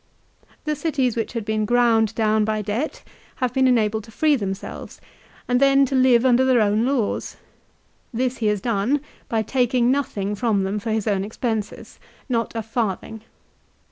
The cities which had been ground down by debt have been enabled to free themselves, and then to live under their own laws. This he has done by taking nothing from them for his own expenses, not a farthing.